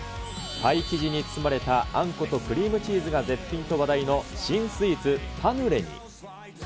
パイ生地に包まれたあんことクリームチーズが絶品と話題の新スイーツ、パヌレに。